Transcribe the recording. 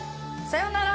さようなら！